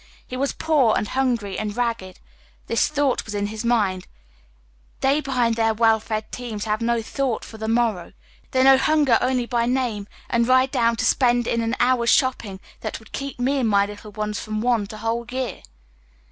He was poor, and hungry, and ragged. This thought was in his mind :" They behind their well fed teams have no thought for the morrow ; they know hun ger only bj name, and ride down to spend in an liour's shopping what would keep me and my little ones from want a whole year."